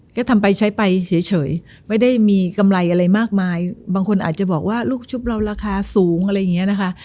ก็ทำไปใช้ไปเฉยไม่ได้มีกำไรอะไรมากมายบางคนอาจจะบอกว่าลูกชุบเราราคาสูงอะไรอย่างนี้นะคะ